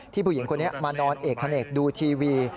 ผู้หญิงคนนี้มานอนเอกขเนกดูทีวี